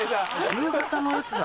夕方のやつだ